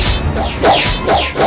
dia putraku abikara